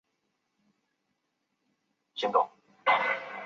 来回一千两百日币